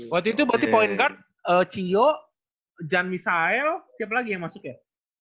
waktu itu berarti point guard chio jan misale siapa lagi yang masuk ya